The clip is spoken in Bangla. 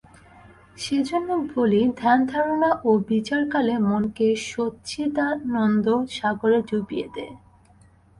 সেজন্য বলি, ধ্যান-ধারণা ও বিচারকালে মনকে সচ্চিদানন্দ-সাগরে ডুবিয়ে দে।